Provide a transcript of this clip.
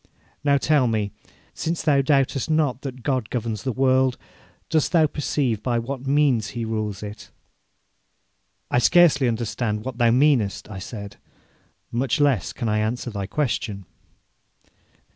Now, tell me, since thou doubtest not that God governs the world, dost thou perceive by what means He rules it?' 'I scarcely understand what thou meanest,' I said, 'much less can I answer thy question.'